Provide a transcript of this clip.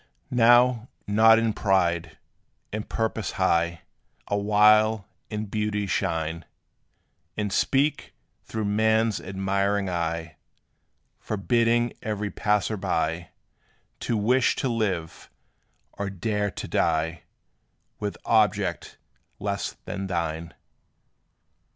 Now, not in pride in purpose high, Awhile in beauty shine; And speak, through man's admiring eye, Forbidding every passer by To wish to live, or dare to die With object less than thine.